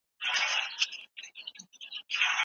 ډېرې شیدې ممکن د هضم ستونزې رامنځته کړي.